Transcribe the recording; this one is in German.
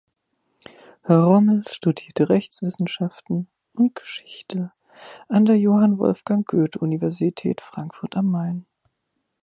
Rommel studierte Rechtswissenschaften und Geschichte an der Johann Wolfgang Goethe-Universität Frankfurt am Main.